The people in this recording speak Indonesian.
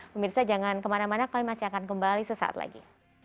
pemirsa jangan kemana mana kami masih akan kembali sesaat lagi